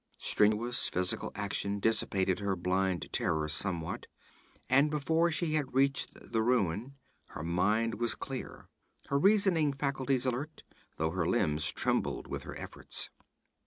Strenuous physical action dissipated her blind terror somewhat and before she had reached the ruin, her mind was clear, her reasoning faculties alert, though her limbs trembled from her efforts.